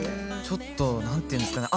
ちょっとなんていうんですかね